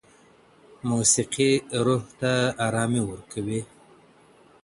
موسیقي روح ته ارامي ورکوي.